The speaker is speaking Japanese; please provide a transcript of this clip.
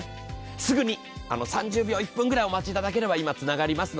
すぐに、３０秒、１分ぐらいお待ちいただければつながります。